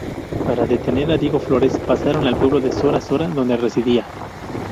Para detener a Diego Flores pasaron al pueblo de Sora-Sora donde residía.